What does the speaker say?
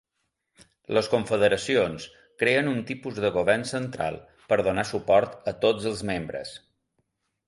Les confederacions creen un tipus de govern central per donar suport a tots els membres.